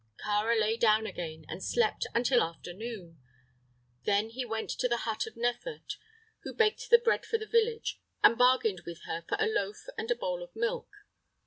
Kāra lay down again and slept until after noon. Then he went to the hut of Nefert, who baked the bread for the village, and bargained with her for a loaf and a bowl of milk.